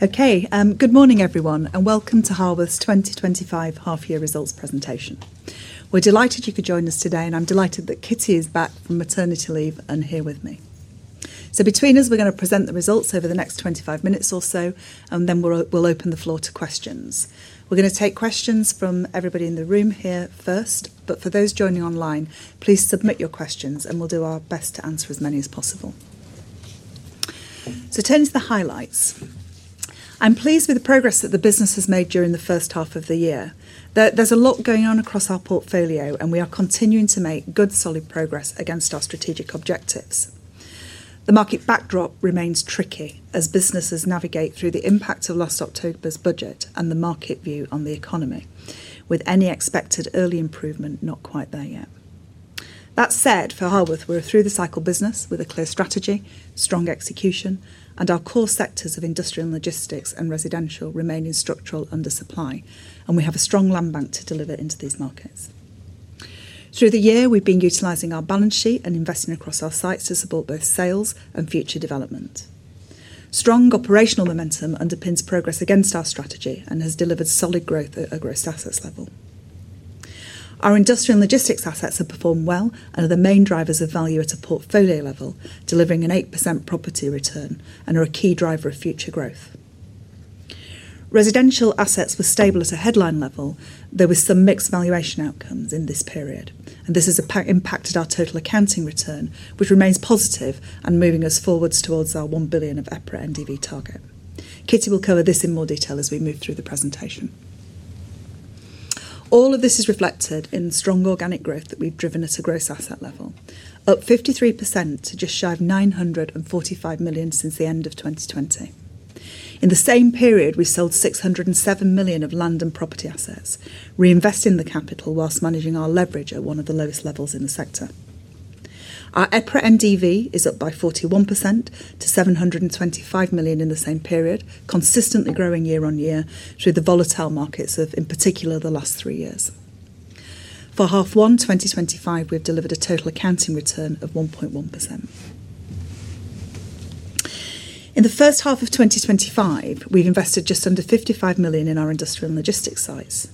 Okay, good morning everyone, and welcome to Harworth's 2025 half-year results presentation. We're delighted you could join us today, and I'm delighted that Kitty is back from maternity leave and here with me. Between us, we're going to present the results over the next 25 minutes or so, and then we'll open the floor to questions. We're going to take questions from everybody in the room here first, but for those joining online, please submit your questions, and we'll do our best to answer as many as possible. Turning to the highlights, I'm pleased with the progress that the business has made during the first half of the year. There's a lot going on across our portfolio, and we are continuing to make good, solid progress against our strategic objectives. The market backdrop remains tricky as businesses navigate through the impact of last October's budget and the market view on the economy, with any expected early improvement not quite there yet. That said, for Harworth, we're a through-the-cycle business with a clear strategy, strong execution, and our core sectors of industrial logistics and residential remain in structural undersupply, and we have a strong land bank to deliver into these markets. Through the year, we've been utilizing our balance sheet and investing across our sites to support both sales and future development. Strong operational momentum underpins progress against our strategy and has delivered solid growth at a gross assets level. Our industrial and logistics assets have performed well and are the main drivers of value at a portfolio level, delivering an 8% property return and are a key driver of future growth. Residential assets were stable at a headline level, though with some mixed valuation outcomes in this period, and this has impacted our total accounting return, which remains positive and moving us forwards towards our £1 billion of EPRA NDV target. Kitty will cover this in more detail as we move through the presentation. All of this is reflected in strong organic growth that we've driven at a gross asset level, up 53% to just shy of £945 million since the end of 2020. In the same period, we sold £607 million of land and property assets, reinvesting the capital whilst managing our leverage at one of the lowest levels in the sector. Our EPRA NDV is up by 41% to £725 million in the same period, consistently growing year on year through the volatile markets of, in particular, the last three years. For half one 2025, we've delivered a total accounting return of 1.1%. In the first half of 2025, we've invested just under £55 million in our industrial and logistics sites.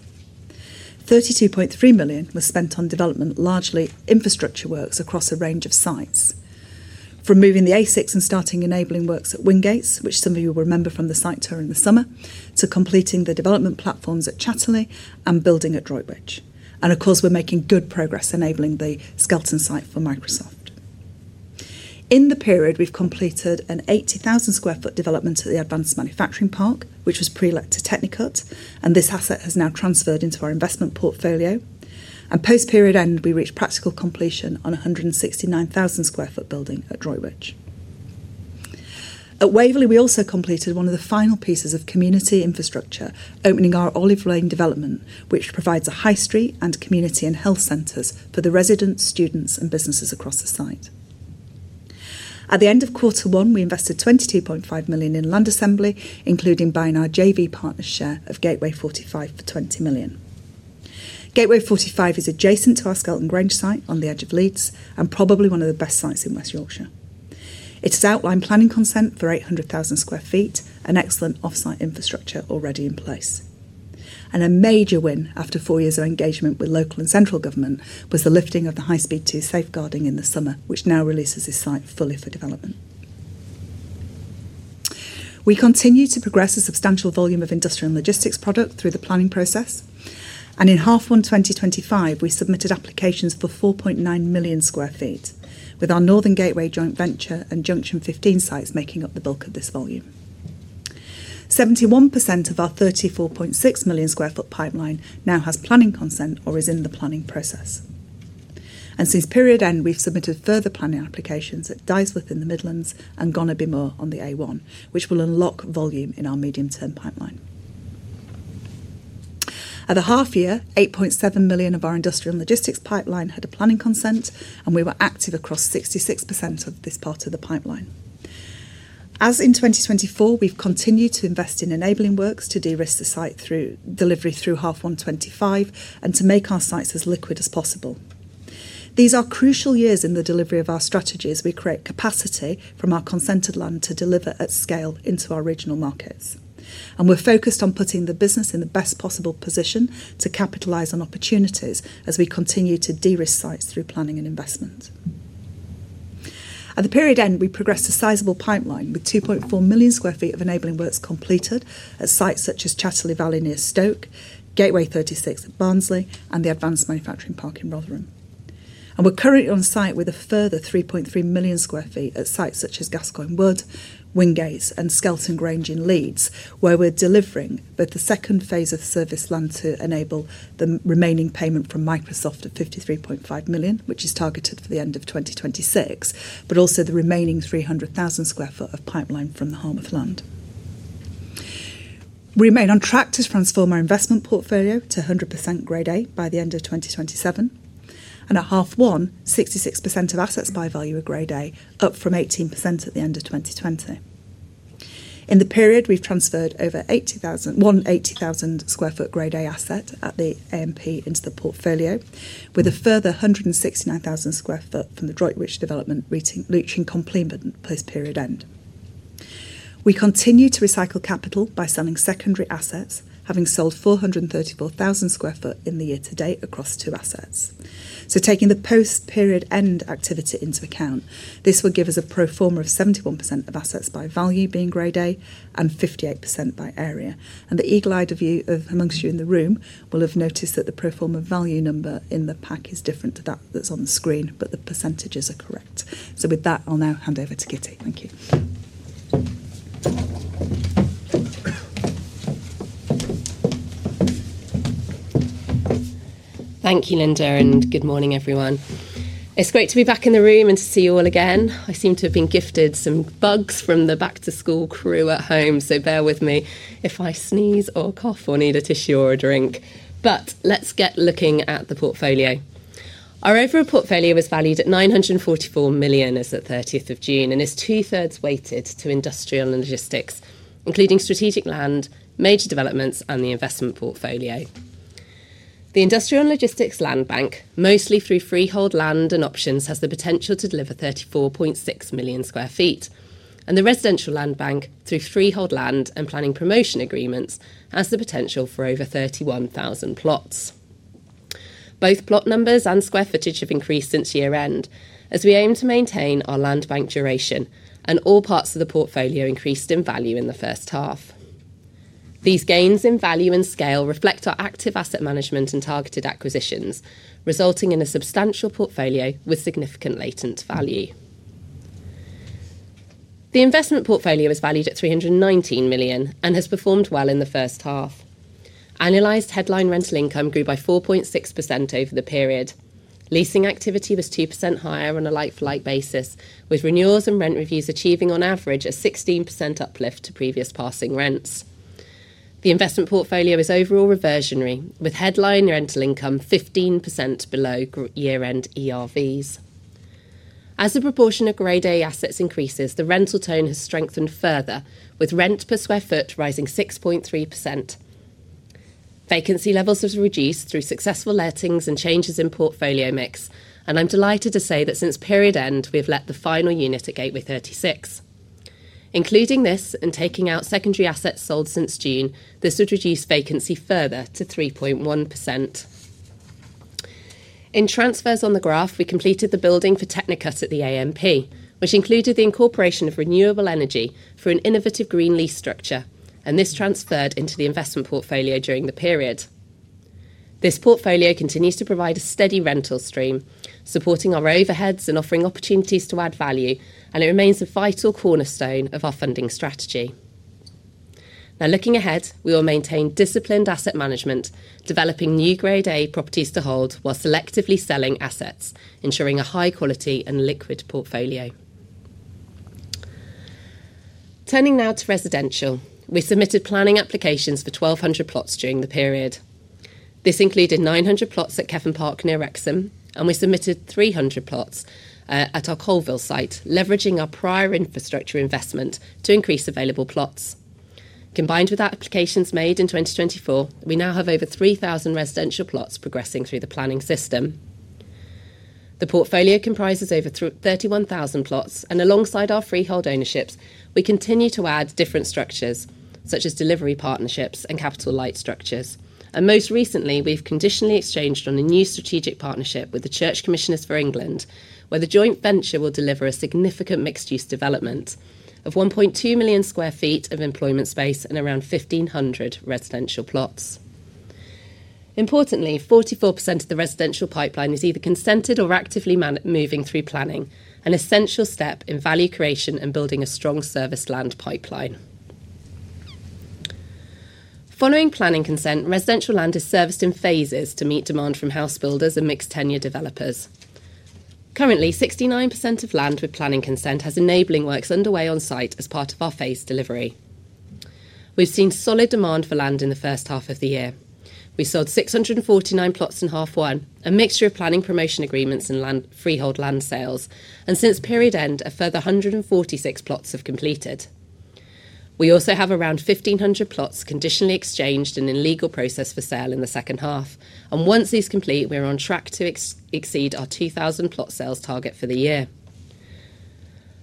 £32.3 million was spent on development, largely infrastructure works across a range of sites, from moving the ASICs and starting enabling works at Wingates, which some of you will remember from the site tour in the summer, to completing the development platforms at Chatterley and building at Droitwich. Of course, we're making good progress enabling the Skelton Grange site for Microsoft. In the period, we've completed an 80,000 square foot development at the Advanced Manufacturing Park, which was pre-let to Technicut, and this asset has now transferred into our investment portfolio. Post-period end, we reached practical completion on a 169,000 square foot building at Droitwich. At Waverley, we also completed one of the final pieces of community infrastructure, opening our Olive Lane development, which provides a high street and community and health centers for the residents, students, and businesses across the site. At the end of quarter one, we invested £22.5 million in land assembly, including buying our JV partner's share of Gateway 45 for £20 million. Gateway 45 is adjacent to our Skelton Grange site on the edge of Leeds, and probably one of the best sites in West Yorkshire. It has outline planning consent for 800,000 square feet, with excellent offsite infrastructure already in place. A major win after four years of engagement with local and central government was the lifting of the high-speed T safeguarding in the summer, which now releases this site fully for development. We continue to progress a substantial volume of industrial and logistics product through the planning process. In half one 2025, we submitted applications for 4.9 million square feet, with our Northern Gateway joint venture and Junction 15 sites making up the bulk of this volume. 71% of our 34.6 million square foot pipeline now has planning consent or is in the planning process. Since period end, we've submitted further planning applications at Dysworth in the Midlands and Gonnerby Moor on the A1, which will unlock volume in our medium-term pipeline. At half year, 8.7 million of our industrial and logistics pipeline had a planning consent, and we were active across 66% of this part of the pipeline. As in 2024, we've continued to invest in enabling works to de-risk the site through delivery through H1 2025 and to make our sites as liquid as possible. These are crucial years in the delivery of our strategy as we create capacity from our consented land to deliver at scale into our regional markets. We're focused on putting the business in the best possible position to capitalize on opportunities as we continue to de-risk sites through planning and investment. At the period end, we progressed a sizable pipeline with 2.4 million square feet of enabling works completed at sites such as Chatterley Valley near Stoke, Gateway 36 at Barnsley, and the Advanced Manufacturing Park in Rotherham. We're currently on site with a further 3.3 million square feet at sites such as Gascoyne Wood, Wingates, and Skelton Grange in Leeds, where we're delivering both the second phase of serviced land to enable the remaining payment from Microsoft at £53.5 million, which is targeted for the end of 2026, but also the remaining 300,000 square feet of pipeline from the Harworth land. We remain on track to transform our investment portfolio to 100% Grade A by the end of 2027. At H1, 66% of assets by value are Grade A, up from 18% at the end of 2020. In the period, we've transferred over 80,000 square feet Grade A asset at the AMP into the portfolio, with a further 169,000 square feet from the Droitbridge development reaching completion post-period end. We continue to recycle capital by selling secondary assets, having sold 434,000 square feet in the year to date across two assets. Taking the post-period end activity into account, this will give us a pro forma of 71% of assets by value being Grade A and 58% by area. The eagle-eyed of you amongst you in the room will have noticed that the pro forma value number in the pack is different to that that's on the screen, but the percentages are correct. With that, I'll now hand over to Kitty. Thank you. Thank you, Lynda, and good morning everyone. It's great to be back in the room and to see you all again. I seem to have been gifted some bugs from the back-to-school crew at home, so bear with me if I sneeze or cough or need a tissue or a drink. Let's get looking at the portfolio. Our overall portfolio was valued at £944 million as of 30th of June and is two-thirds weighted to industrial and logistics, including strategic land, major developments, and the investment portfolio. The industrial and logistics land bank, mostly through freehold land and options, has the potential to deliver 34.6 million square feet, and the residential land bank through freehold land and planning promotion agreements has the potential for over 31,000 plots. Both plot numbers and square footage have increased since year end, as we aim to maintain our land bank duration, and all parts of the portfolio increased in value in the first half. These gains in value and scale reflect our active asset management and targeted acquisitions, resulting in a substantial portfolio with significant latent value. The investment portfolio was valued at £319 million and has performed well in the first half. Annualized headline rental income grew by 4.6% over the period. Leasing activity was 2% higher on a like-for-like basis, with renewals and rent reviews achieving on average a 16% uplift to previous passing rents. The investment portfolio is overall reversionary, with headline rental income 15% below year-end ERVs. As a proportion of Grade A assets increases, the rental tone has strengthened further, with rent per square foot rising 6.3%. Vacancy levels have reduced through successful lettings and changes in portfolio mix, and I'm delighted to say that since period end, we have let the final unit at Gateway 36. Including this and taking out secondary assets sold since June, this would reduce vacancy further to 3.1%. In transfers on the graph, we completed the building for Technicut at the AMP, which included the incorporation of renewable energy through an innovative green lease structure, and this transferred into the investment portfolio during the period. This portfolio continues to provide a steady rental stream, supporting our overheads and offering opportunities to add value, and it remains a vital cornerstone of our funding strategy. Now looking ahead, we will maintain disciplined asset management, developing new Grade A properties to hold while selectively selling assets, ensuring a high-quality and liquid portfolio. Turning now to residential, we submitted planning applications for 1,200 plots during the period. This included 900 plots at Kevin Park near Wrexham, and we submitted 300 plots at our Colville site, leveraging our prior infrastructure investment to increase available plots. Combined with applications made in 2024, we now have over 3,000 residential plots progressing through the planning system. The portfolio comprises over 31,000 plots, and alongside our freehold ownerships, we continue to add different structures, such as delivery partnerships and capital-light structures. Most recently, we've conditionally exchanged on a new strategic partnership with the Church Commissioners for England, where the joint venture will deliver a significant mixed-use development of 1.2 million square feet of employment space and around 1,500 residential plots. Importantly, 44% of the residential pipeline is either consented or actively moving through planning, an essential step in value creation and building a strong serviced land pipeline. Following planning consent, residential land is serviced in phases to meet demand from house builders and mixed-tenure developers. Currently, 69% of land with planning consent has enabling works underway on site as part of our phased delivery. We've seen solid demand for land in the first half of the year. We sold 649 plots in half one, a mixture of planning promotion agreements and freehold land sales, and since period end, a further 146 plots have completed. We also have around 1,500 plots conditionally exchanged and in legal process for sale in the second half, and once these complete, we're on track to exceed our 2,000 plot sales target for the year.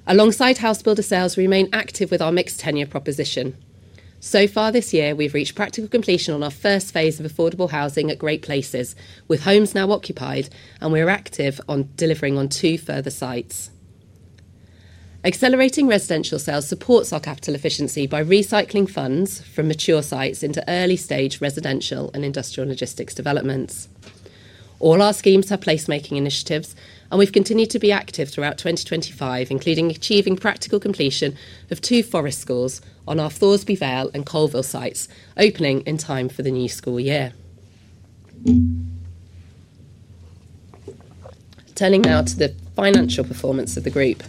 Alongside house builder sales, we remain active with our mixed-tenure proposition. So far this year, we've reached practical completion on our first phase of affordable housing at Great Places, with homes now occupied, and we're active on delivering on two further sites. Accelerating residential sales supports our capital efficiency by recycling funds from mature sites into early-stage residential and industrial logistics developments. All our schemes have placemaking initiatives, and we've continued to be active throughout 2025, including achieving practical completion of two forest schools on our Thoresby Vale and Colville sites, opening in time for the new school year. Turning now to the financial performance of the group.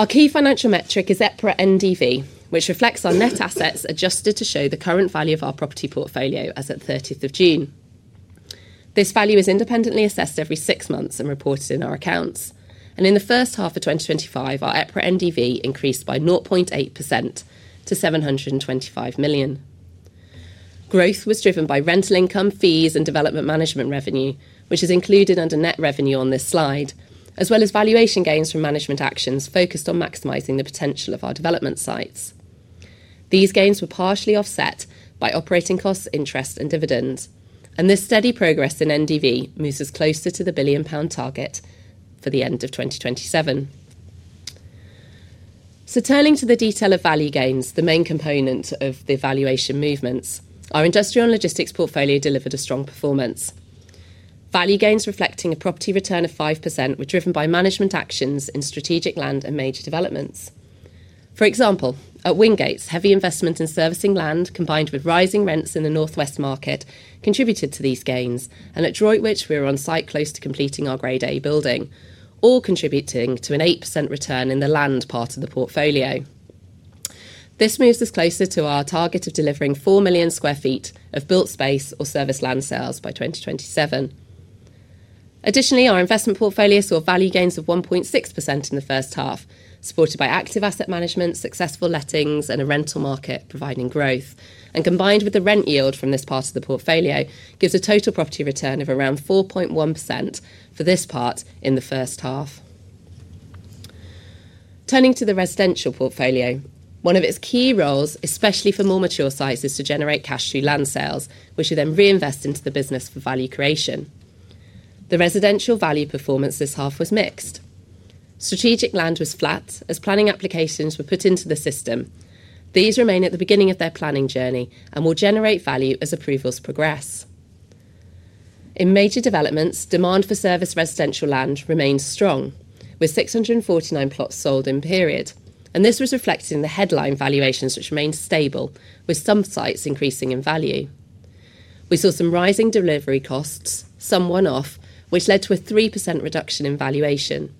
Our key financial metric is EPRA NDV, which reflects our net assets adjusted to show the current value of our property portfolio as at June 30. This value is independently assessed every six months and reported in our accounts, and in the first half of 2025, our EPRA NDV increased by 0.8% to £725 million. Growth was driven by rental income, fees, and development management revenue, which is included under net revenue on this slide, as well as valuation gains from management actions focused on maximizing the potential of our development sites. These gains were partially offset by operating costs, interest, and dividends, and this steady progress in NDV moves us closer to the £1 billion target for the end of 2027. Turning to the detail of value gains, the main component of the valuation movements, our industrial and logistics portfolio delivered a strong performance. Value gains reflecting a property return of 5% were driven by management actions in strategic land and major developments. For example, at Wingates, heavy investment in servicing land combined with rising rents in the northwest market contributed to these gains, and at Droitwich, we were on site close to completing our Grade A building, all contributing to an 8% return in the land part of the portfolio. This moves us closer to our target of delivering 4 million square feet of built space or serviced land sales by 2027. Additionally, our investment portfolio saw value gains of 1.6% in the first half, supported by active asset management, successful lettings, and a rental market providing growth. Combined with the rent yield from this part of the portfolio, it gives a total property return of around 4.1% for this part in the first half. Turning to the residential portfolio, one of its key roles, especially for more mature sites, is to generate cash through land sales, which are then reinvested into the business for value creation. The residential value performance this half was mixed. Strategic land was flat as planning applications were put into the system. These remain at the beginning of their planning journey and will generate value as approvals progress. In major developments, demand for serviced residential land remains strong, with 649 plots sold in period, and this was reflected in the headline valuations, which remained stable, with some sites increasing in value. We saw some rising delivery costs, some one-off, which led to a 3% reduction in valuation,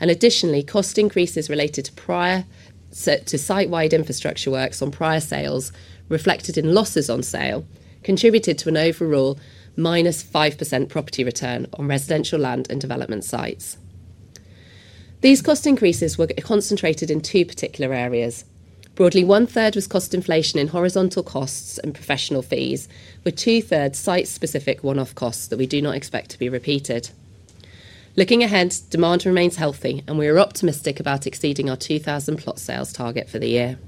and additionally, cost increases related to site-wide infrastructure works on prior sales reflected in losses on sale contributed to an overall -5% property return on residential land and development sites. These cost increases were concentrated in two particular areas. Broadly, one-third was cost inflation in horizontal costs and professional fees, with two-thirds site-specific one-off costs that we do not expect to be repeated. Looking ahead, demand remains healthy, and we are optimistic about exceeding our 2,000 plot sales target for the year.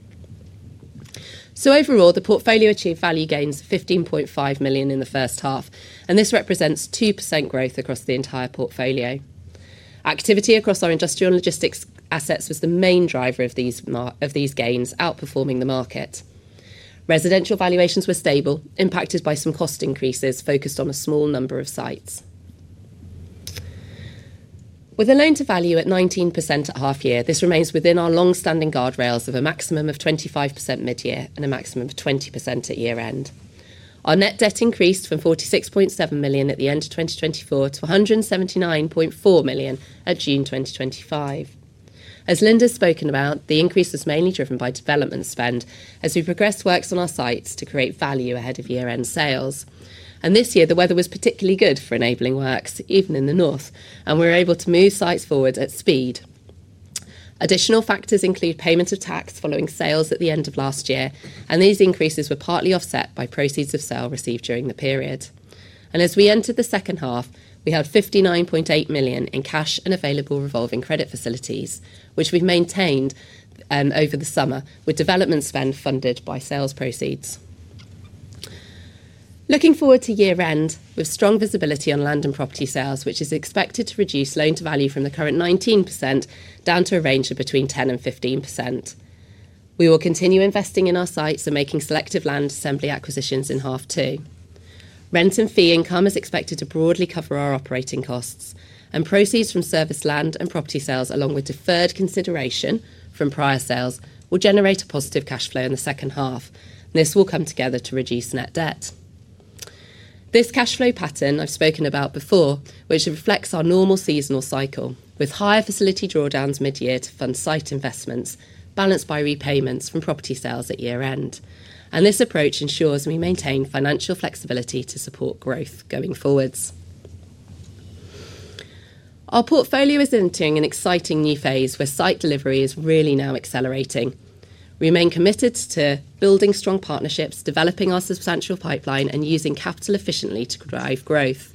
Overall, the portfolio achieved value gains of £15.5 million in the first half, and this represents 2% growth across the entire portfolio. Activity across our industrial and logistics assets was the main driver of these gains, outperforming the market. Residential valuations were stable, impacted by some cost increases focused on a small number of sites. With a loan-to-value at 19% at half year, this remains within our longstanding guardrails of a maximum of 25% mid-year and a maximum of 20% at year-end. Our net debt increased from £46.7 million at the end of 2024 to £179.4 million at June 2025. As Lynda's spoken about, the increase was mainly driven by development spend, as we progressed works on our sites to create value ahead of year-end sales. This year, the weather was particularly good for enabling works, even in the north, and we were able to move sites forward at speed. Additional factors include payment of tax following sales at the end of last year, and these increases were partly offset by proceeds of sale received during the period. As we entered the second half, we have £59.8 million in cash and available revolving credit facilities, which we've maintained over the summer, with development spend funded by sales proceeds. Looking forward to year-end, with strong visibility on land and property sales, which is expected to reduce loan-to-value from the current 19% down to a range of between 10% and 15%. We will continue investing in our sites and making selective land assembly acquisitions in half two. Rent and fee income is expected to broadly cover our operating costs, and proceeds from serviced land and property sales, along with deferred consideration from prior sales, will generate a positive cash flow in the second half. This will come together to reduce net debt. This cash flow pattern I've spoken about before, which reflects our normal seasonal cycle, with higher facility drawdowns mid-year to fund site investments, balanced by repayments from property sales at year-end. This approach ensures we maintain financial flexibility to support growth going forwards. Our portfolio is entering an exciting new phase where site delivery is really now accelerating. We remain committed to building strong partnerships, developing our substantial pipeline, and using capital efficiently to drive growth.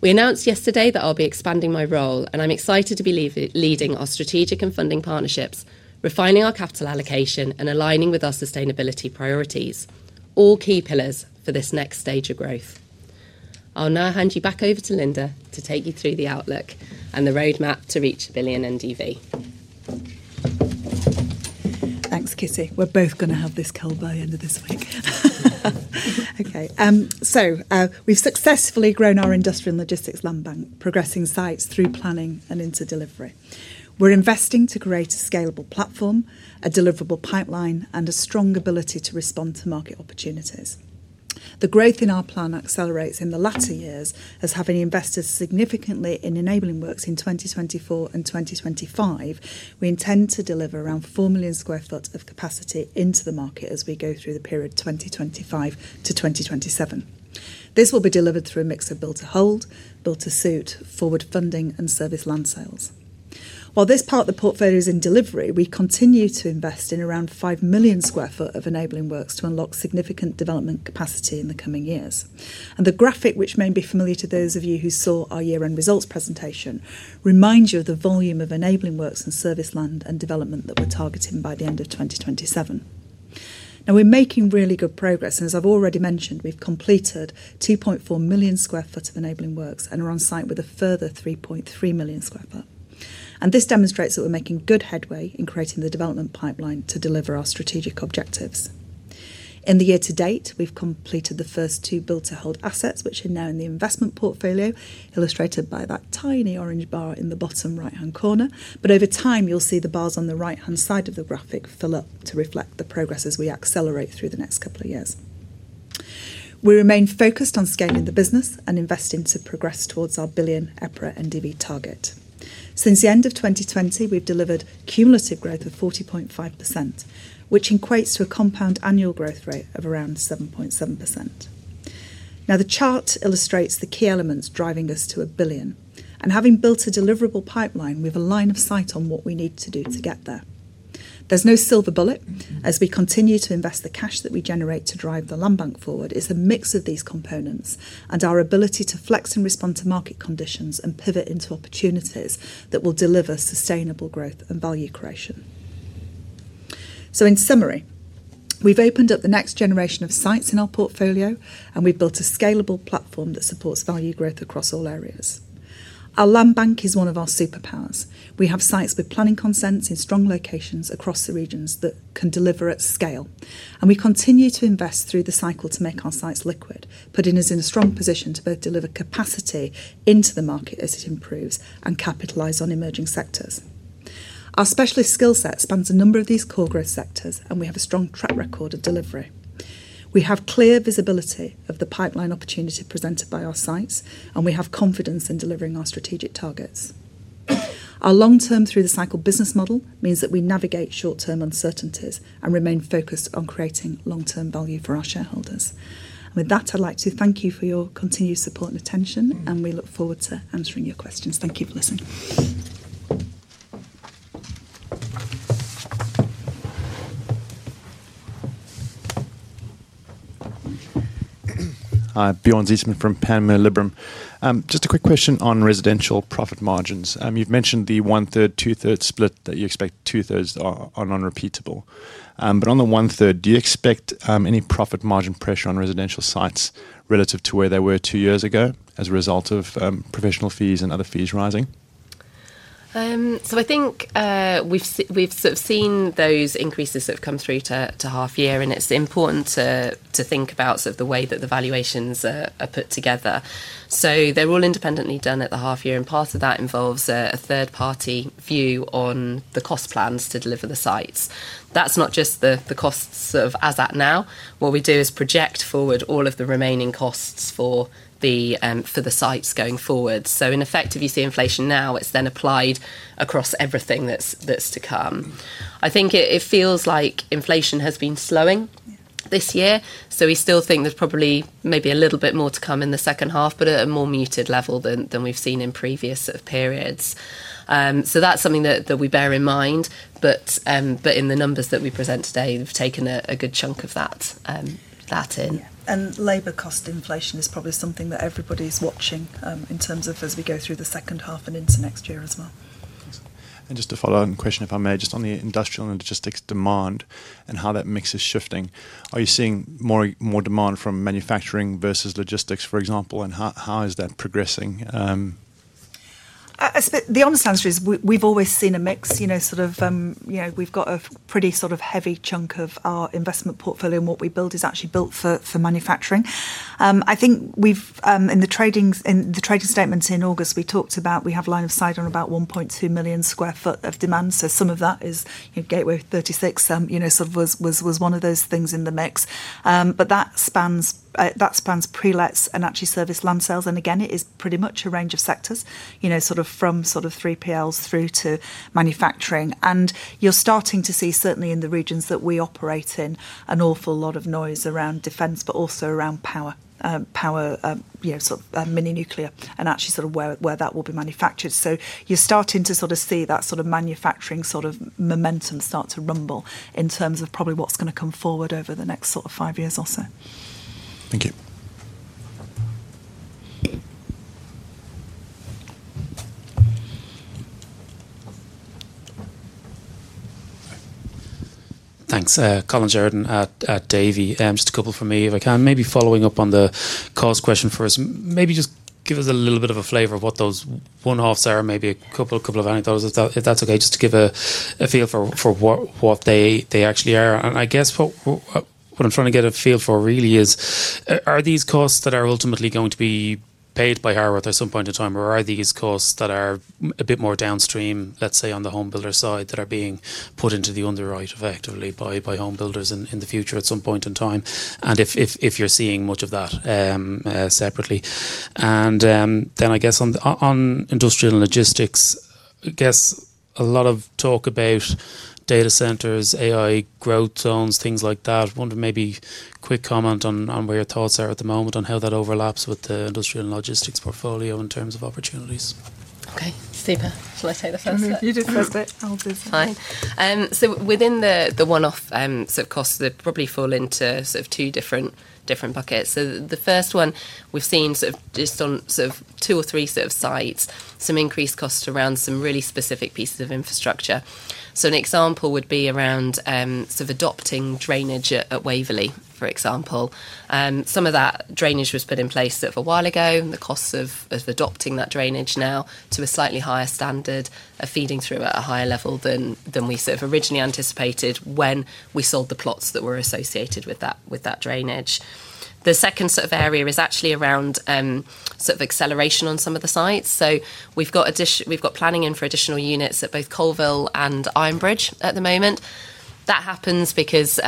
We announced yesterday that I'll be expanding my role, and I'm excited to be leading our strategic and funding partnerships, refining our capital allocation, and aligning with our sustainability priorities, all key pillars for this next stage of growth. I'll now hand you back over to Lynda to take you through the outlook and the roadmap to reach £1 billion EPRA NDV. Thanks, Kitty. We're both going to have this cold by the end of this week. We've successfully grown our industrial and logistics land bank, progressing sites through planning and into delivery. We're investing to create a scalable platform, a deliverable pipeline, and a strong ability to respond to market opportunities. The growth in our plan accelerates in the latter years, as having invested significantly in enabling works in 2024 and 2025, we intend to deliver around 4 million square foot of capacity into the market as we go through the period 2025 to 2027. This will be delivered through a mix of build to hold, build to suit, forward funding, and service land sales. While this part of the portfolio is in delivery, we continue to invest in around 5 million square foot of enabling works to unlock significant development capacity in the coming years. The graphic, which may be familiar to those of you who saw our year-end results presentation, reminds you of the volume of enabling works and service land and development that we're targeting by the end of 2027. We're making really good progress, and as I've already mentioned, we've completed 2.4 million square foot of enabling works and are on site with a further 3.3 million square foot. This demonstrates that we're making good headway in creating the development pipeline to deliver our strategic objectives. In the year to date, we've completed the first two build-to-hold assets, which are now in the investment portfolio, illustrated by that tiny orange bar in the bottom right-hand corner. Over time, you'll see the bars on the right-hand side of the graphic fill up to reflect the progress as we accelerate through the next couple of years. We remain focused on scaling the business and investing to progress towards our billion EPRA NDV target. Since the end of 2020, we've delivered cumulative growth of 40.5%, which equates to a compound annual growth rate of around 7.7%. The chart illustrates the key elements driving us to a billion. Having built a deliverable pipeline, we have a line of sight on what we need to do to get there. There's no silver bullet. We continue to invest the cash that we generate to drive the land bank forward. It's a mix of these components and our ability to flex and respond to market conditions and pivot into opportunities that will deliver sustainable growth and value creation. In summary, we've opened up the next generation of sites in our portfolio, and we've built a scalable platform that supports value growth across all areas. Our land bank is one of our superpowers. We have sites with planning consents in strong locations across the regions that can deliver at scale. We continue to invest through the cycle to make our sites liquid, putting us in a strong position to both deliver capacity into the market as it improves and capitalize on emerging sectors. Our specialist skill set spans a number of these core growth sectors, and we have a strong track record of delivery. We have clear visibility of the pipeline opportunity presented by our sites, and we have confidence in delivering our strategic targets. Our long-term through-the-cycle business model means that we navigate short-term uncertainties and remain focused on creating long-term value for our shareholders. With that, I'd like to thank you for your continued support and attention, and we look forward to answering your questions. Thank you for listening. Hi, Bjorn Ziesman from Panama Liberum. Just a quick question on residential profit margins. You've mentioned the one-third, two-third split that you expect two-thirds are unrepeatable. On the one-third, do you expect any profit margin pressure on residential sites relative to where they were two years ago as a result of professional fees and other fees rising? I think we've sort of seen those increases that have come through to half year, and it's important to think about the way that the valuations are put together. They're all independently done at the half year, and part of that involves a third-party view on the cost plans to deliver the sites. That's not just the costs as at now. What we do is project forward all of the remaining costs for the sites going forward. In effect, if you see inflation now, it's then applied across everything that's to come. I think it feels like inflation has been slowing this year. We still think there's probably maybe a little bit more to come in the second half, but at a more muted level than we've seen in previous periods. That's something that we bear in mind. In the numbers that we present today, we've taken a good chunk of that in. Labor cost inflation is probably something that everybody's watching in terms of as we go through the second half and into next year as well. Just a follow-on question, if I may, on the industrial and logistics demand and how that mix is shifting. Are you seeing more demand from manufacturing versus logistics, for example, and how is that progressing? The honest answer is we've always seen a mix. We've got a pretty heavy chunk of our investment portfolio and what we build is actually built for manufacturing. I think we've, in the trading statements in August, talked about having a line of sight on about 1.2 million square foot of demand. Some of that is Gateway 36, which was one of those things in the mix. That spans pre-lets and actually service land sales. It is pretty much a range of sectors, from 3PLs through to manufacturing. You're starting to see, certainly in the regions that we operate in, an awful lot of noise around defense, but also around power, power, mini-nuclear and actually where that will be manufactured. You're starting to see that manufacturing momentum start to rumble in terms of probably what's going to come forward over the next five years or so. Thank you. Thanks. Colin Jarden at Davy. Just a couple for me, if I can, maybe following up on the cost question first. Maybe just give us a little bit of a flavor of what those one-offs are, maybe a couple of anecdotes, if that's okay, just to give a feel for what they actually are. I guess what I'm trying to get a feel for really is, are these costs that are ultimately going to be paid by Harworth at some point in time, or are these costs that are a bit more downstream, let's say on the home builder side that are being put into the underwrite effectively by home builders in the future at some point in time? If you're seeing much of that separately. I guess on industrial and logistics, I guess a lot of talk about data centers, AI growth zones, things like that. I wonder maybe a quick comment on where your thoughts are at the moment on how that overlaps with the industrial and logistics portfolio in terms of opportunities. Okay, super. Shall I say the first bit? You do the first bit. I'll do the second. Within the one-off sort of costs, they probably fall into two different buckets. The first one we've seen just on two or three sites, some increased costs around some really specific pieces of infrastructure. An example would be around adopting drainage at Waverley, for example. Some of that drainage was put in place a while ago, and the costs of adopting that drainage now to a slightly higher standard are feeding through at a higher level than we originally anticipated when we sold the plots that were associated with that drainage. The second area is actually around acceleration on some of the sites. We've got planning in for additional units at both Colville and Ironbridge at the moment. That happens because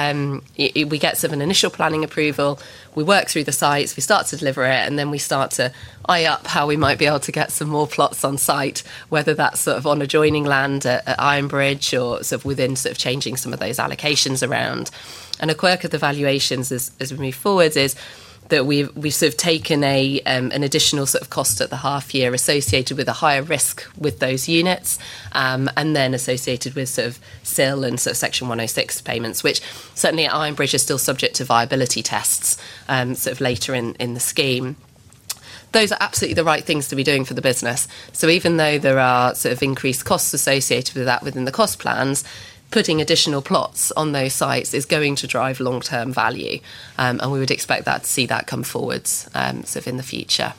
we get an initial planning approval, we work through the sites, we start to deliver it, and then we start to eye up how we might be able to get some more plots on site, whether that's on adjoining land at Ironbridge or within changing some of those allocations around. A quirk of the valuations as we move forward is that we've taken an additional cost at the half year associated with a higher risk with those units, and then associated with sale and Section 106 payments, which certainly at Ironbridge are still subject to viability tests later in the scheme. Those are absolutely the right things to be doing for the business. Even though there are increased costs associated with that within the cost plans, putting additional plots on those sites is going to drive long-term value, and we would expect to see that come forward in the future.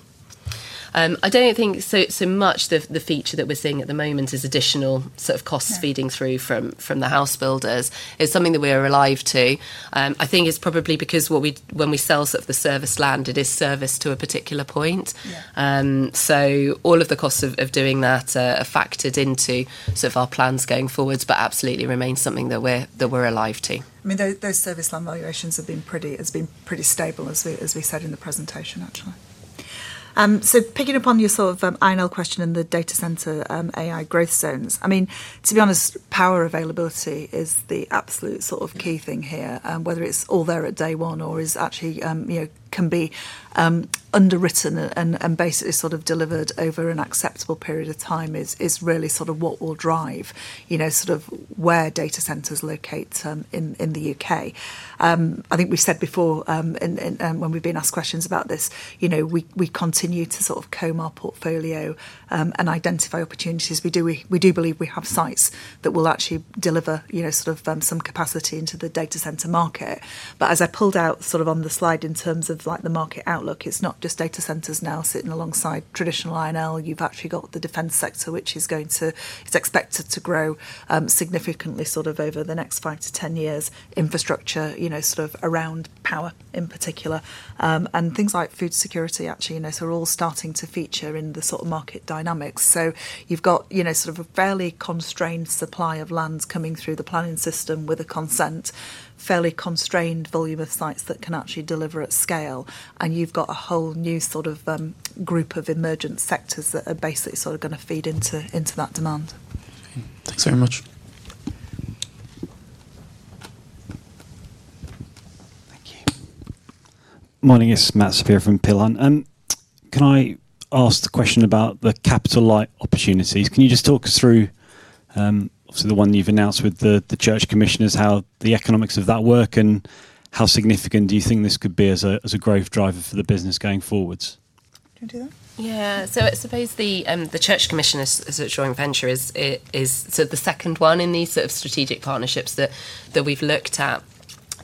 I don't think so much the feature that we're seeing at the moment is additional costs feeding through from the house builders. It's something that we are alive to. I think it's probably because when we sell the service land, it is serviced to a particular point. All of the costs of doing that are factored into our plans going forward, but absolutely remains something that we're alive to. Those serviced land valuations have been pretty stable, as we said in the presentation, actually. Picking up on your INL question and the data center AI growth zones, to be honest, power availability is the absolute key thing here. Whether it's all there at day one or can be underwritten and basically delivered over an acceptable period of time is really what will drive where data centers locate in the UK. I think we've said before when we've been asked questions about this, we continue to comb our portfolio and identify opportunities. We do believe we have sites that will actually deliver some capacity into the data center market. As I pulled out on the slide in terms of the market outlook, it's not just data centers now sitting alongside traditional INL. You've actually got the defense sector, which is expected to grow significantly over the next five to ten years. Infrastructure around power in particular, and things like food security, are all starting to feature in the market dynamics. You've got a fairly constrained supply of land coming through the planning system with a consent, a fairly constrained volume of sites that can actually deliver at scale, and a whole new group of emergent sectors that are basically going to feed into that demand. Thanks very much. Morning, it's Matt Saperia from Peel Hunt. Can I ask the question about the capital-light opportunities? Can you just talk us through, obviously, the one you've announced with the Church Commissioners for England, how the economics of that work, and how significant do you think this could be as a growth driver for the business going forwards? Yeah, I suppose the Church Commissioners for England joint venture is sort of the second one in these sort of strategic partnerships that we've looked at,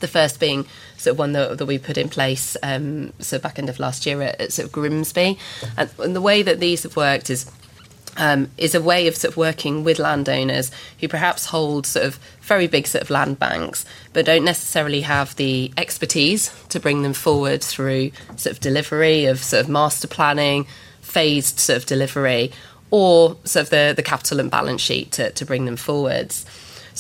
the first being one that we put in place back end of last year at Grimsby. The way that these have worked is a way of working with landowners who perhaps hold very big land banks but don't necessarily have the expertise to bring them forward through delivery of master planning, phased delivery, or the capital and balance sheet to bring them forward.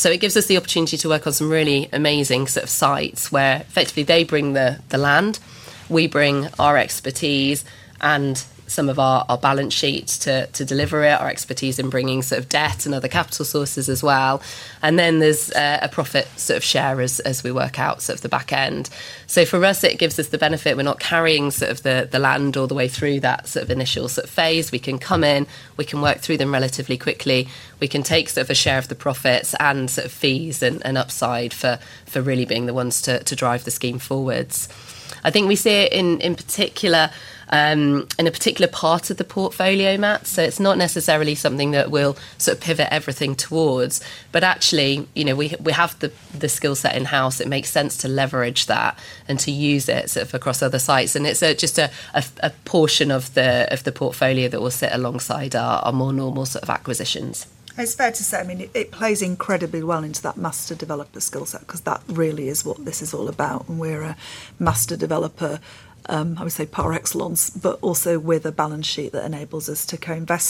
It gives us the opportunity to work on some really amazing sites where effectively they bring the land, we bring our expertise and some of our balance sheet to deliver it, our expertise in bringing debt and other capital sources as well. There's a profit share as we work out the back end. For us, it gives us the benefit we're not carrying the land all the way through that initial phase. We can come in, we can work through them relatively quickly, we can take a share of the profits and fees and upside for really being the ones to drive the scheme forwards. I think we see it in a particular part of the portfolio, Matt. It's not necessarily something that we'll pivot everything towards, but actually, we have the skill set in-house. It makes sense to leverage that and to use it across other sites. It's just a portion of the portfolio that will sit alongside our more normal acquisitions. It's fair to say it plays incredibly well into that master developer skill set because that really is what this is all about. We're a master developer, I would say par excellence, but also with a balance sheet that enables us to co-invest.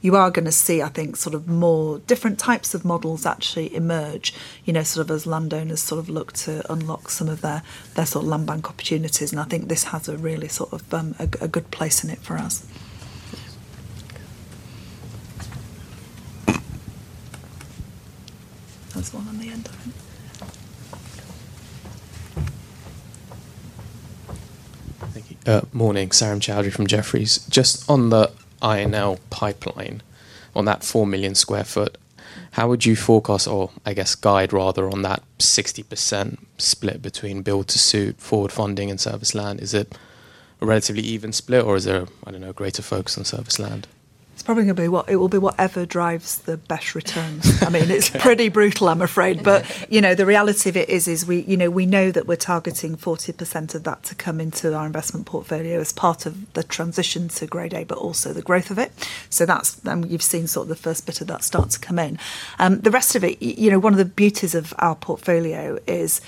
You are going to see, I think, more different types of models actually emerge as landowners look to unlock some of their land bank opportunities. I think this has a really good place in it for us. That was one on the end, I think. Morning, Sarim Chaudhry from Jefferies. Just on the INL pipeline, on that 4 million square foot, how would you forecast, or I guess guide rather, on that 60% split between build to suit, forward funding, and serviced land? Is it a relatively even split or is there, I don't know, a greater focus on serviced land? It's probably going to be, it will be whatever drives the better returns. I mean, it's pretty brutal, I'm afraid. You know, the reality of it is, we know that we're targeting 40% of that to come into our investment portfolio as part of the transition to Grade A, but also the growth of it. That's, and you've seen sort of the first bit of that start to come in. The rest of it, one of the beauties of our portfolio is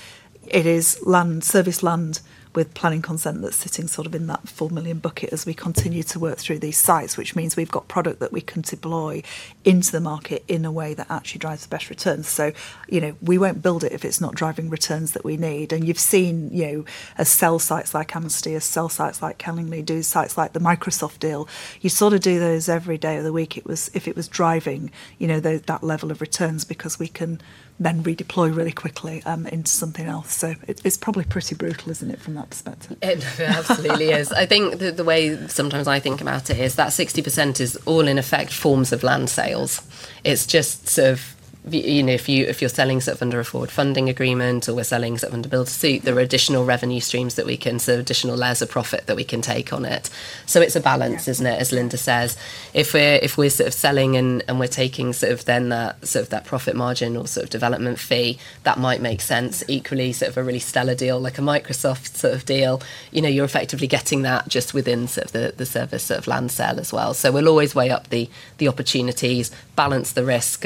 it is land, serviced land with planning consent that's sitting sort of in that £4 million bucket as we continue to work through these sites, which means we've got product that we can deploy into the market in a way that actually drives the best returns. We won't build it if it's not driving returns that we need. You've seen, as we sell sites like Amnesty, as we sell sites like Calling Me, do sites like the Microsoft deal. You sort of do those every day of the week if it was driving that level of returns because we can then redeploy really quickly into something else. It's probably pretty brutal, isn't it, from that perspective? It absolutely is. I think the way sometimes I think about it is that 60% is all in effect forms of land sales. It's just sort of, you know, if you're selling sort of under a forward funding agreement or we're selling something to build a suit, there are additional revenue streams that we can, so additional layers of profit that we can take on it. It's a balance, isn't it, as Lynda says. If we're selling and we're taking that profit margin or development fee, that might make sense. Equally, a really stellar deal like a Microsoft deal, you're effectively getting that just within the service land sale as well. We'll always weigh up the opportunities, balance the risk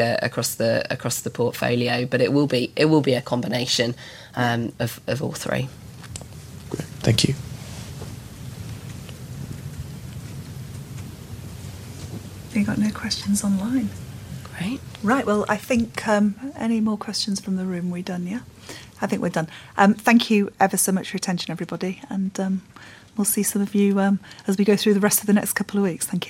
across the portfolio, but it will be a combination of all three. Thank you. They've got no questions online. Great. Right, I think any more questions from the room? We're done, yeah? I think we're done. Thank you ever so much for your attention, everybody, and we'll see some of you as we go through the rest of the next couple of weeks. Thank you.